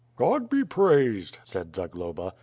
"God be praised," said Zagloba.